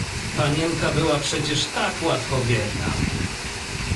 Panienka była przecież tak łatwowierna!